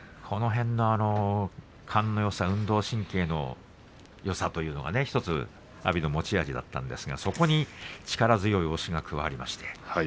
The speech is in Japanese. その辺の勘のよさ運動神経のよさというのは１つ阿炎の持ち味だったんですがそこに力強い押しが加わりました。